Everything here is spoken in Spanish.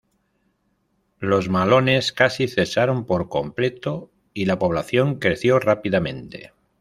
Los malones casi cesaron por completo, y la población creció rápidamente.